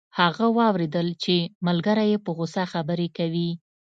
هغه واوریدل چې ملګری یې په غوسه خبرې کوي